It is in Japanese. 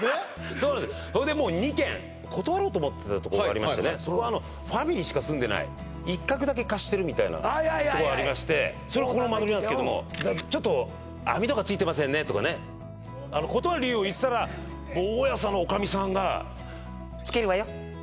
そうですそれでもう２軒断ろうと思ってた所がありましてそこはあのファミリーしか住んでない一角だけ貸してるみたいな所がありましてそれがこの間取りなんですけども「ちょっと網戸が付いてませんね」とかね断る理由を言ってたら大家さんのおかみさんが「付けるわよ」